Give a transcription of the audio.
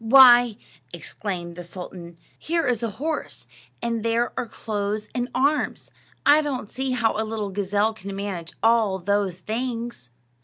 "Why," exclaimed the sultan, "here is a horse, and there are clothes and arms. I don't see how a little gazelle can manage all those things."